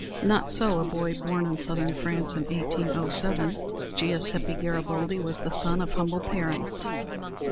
Not so a boy born in Southern France, in 1807. Giuseppe Garibaldi was the son of humble parents.